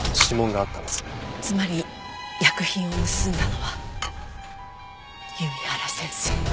つまり薬品を盗んだのは弓原先生。